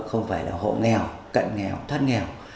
không phải là hộ nghèo cận nghèo thoát nghèo